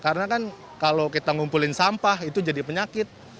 karena kan kalau kita ngumpulin sampah itu jadi penyakit